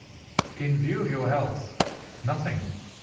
"In view of your health, nothing.